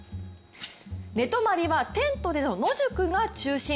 寝泊まりはテントでの野宿が中心。